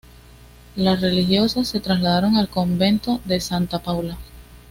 Las religiosas se trasladaron al Convento de Santa Paula.